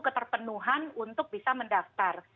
keterpenuhan untuk bisa mendaftar